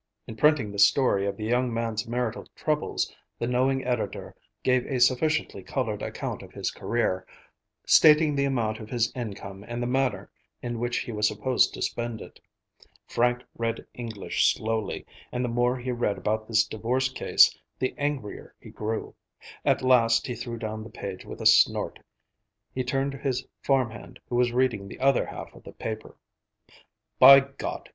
In printing the story of the young man's marital troubles, the knowing editor gave a sufficiently colored account of his career, stating the amount of his income and the manner in which he was supposed to spend it. Frank read English slowly, and the more he read about this divorce case, the angrier he grew. At last he threw down the page with a snort. He turned to his farm hand who was reading the other half of the paper. "By God!